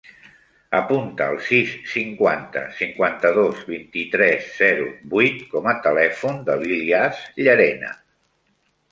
Apunta el sis, cinquanta, cinquanta-dos, vint-i-tres, zero, vuit com a telèfon de l'Ilyas Llerena.